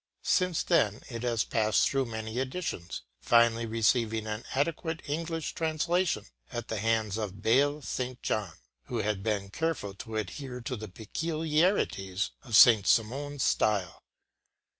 Since then it has passed through many editions, finally receiving an adequate English translation at the hands of Bayle St. John, who has been careful to adhere to the peculiarities of Saint Simon’s style.